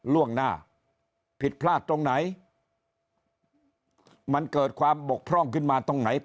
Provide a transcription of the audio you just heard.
ล่วงหน้าผิดพลาดตรงไหนมันเกิดความบกพร่องขึ้นมาตรงไหน